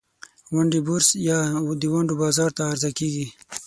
ونډې بورس یا د ونډو بازار ته عرضه کیږي.